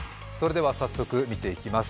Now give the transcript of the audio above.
早速見てきます。